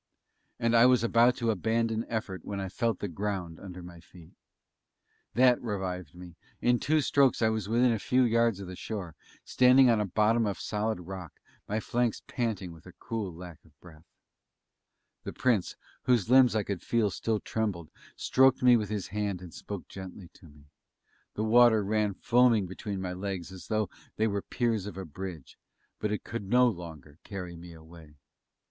And I was about to abandon effort when I felt the ground under my feet. That revived me; in two strokes I was within a few yards of the shore, standing on a bottom of solid rock, my flanks panting with a cruel lack of breath. [Illustration: A SPLENDID PROCESSION WAS FORMED AND BEGAN ITS MARCH. I FOLLOWED NEXT AFTER THE KING.] The Prince, whose limbs I could feel still trembled, stroked me with his hand and spoke gently to me. The water ran foaming between my legs as though they were the piers of a bridge; but it could no longer carry me away.